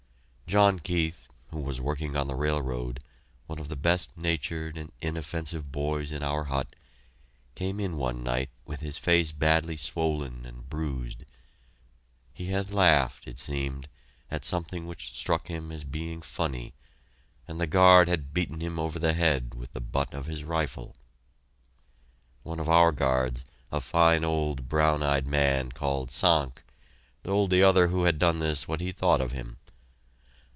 John Keith, who was working on the railroad, one of the best natured and inoffensive boys in our hut, came in one night with his face badly swollen and bruised. He had laughed, it seemed, at something which struck him as being funny, and the guard had beaten him over the head with the butt of his rifle. One of our guards, a fine old, brown eyed man called "Sank," told the guard who had done this what he thought of him.